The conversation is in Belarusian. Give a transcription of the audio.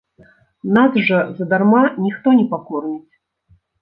Нас жа задарма ніхто не пакорміць.